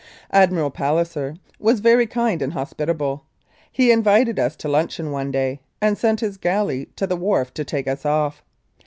Admiral Palliser was very kind and hospitable. He invited us to luncheon one day, and sent his galley to the wharf to take us off.